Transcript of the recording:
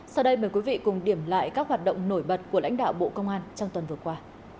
sau đây mời quý vị cùng điểm lại các hoạt động nổi bật của lãnh đạo bộ công an trong tuần vừa qua